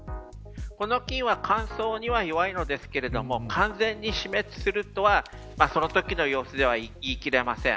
この菌は乾燥には弱いのですが完全に死滅するとはそのときの様子では言い切れません。